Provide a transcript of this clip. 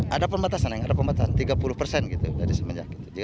ada pembatasan tiga puluh persen